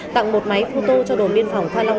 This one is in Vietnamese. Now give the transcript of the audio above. tặng một máy photo cho đồn biên phòng pha long